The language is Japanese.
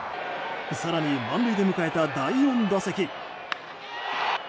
更に、満塁で迎えた第４打席。